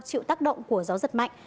chịu tác động của gió giật mạnh